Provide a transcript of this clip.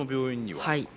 はい。